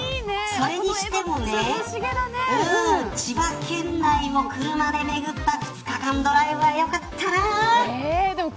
それにしても千葉県内を車で巡った２日間ドライブはよかったな。